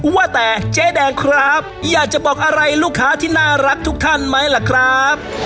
ว่าแต่เจ๊แดงครับอยากจะบอกอะไรลูกค้าที่น่ารักทุกท่านไหมล่ะครับ